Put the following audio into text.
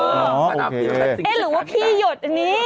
หรือว่าขี้หยดอันนี้